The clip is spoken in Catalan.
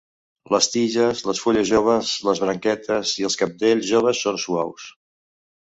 Les tiges, les fulles joves, les branquetes i els cabdells joves són suaus.